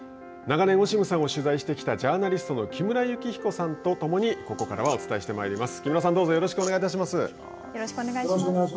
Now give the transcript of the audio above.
オシムさんを取材してきたジャーナリストの木村元彦さんと共にここからはお伝えしてまいります。